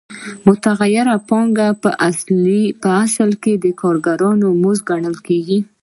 متغیره پانګه په اصل کې د کارګرانو مزد ګڼل کېږي